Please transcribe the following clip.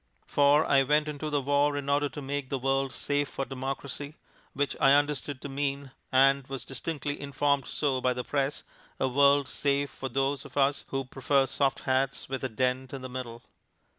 For I went into the war in order to make the world safe for democracy, which I understood to mean (and was distinctly informed so by the press) a world safe for those of us who prefer soft hats with a dent in the middle.